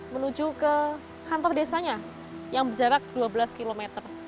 menuju ke kantor desanya yang berjarak dua belas km